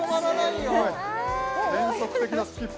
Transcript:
すごい変則的なスキップ